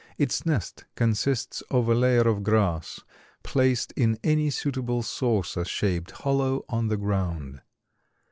Its nest consists of a layer of grass placed in any suitable saucer shaped hollow on the ground.